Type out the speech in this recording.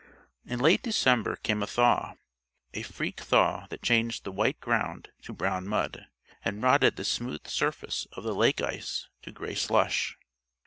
In late December came a thaw a freak thaw that changed the white ground to brown mud and rotted the smooth surface of the lake ice to gray slush.